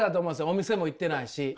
お店も行ってないし。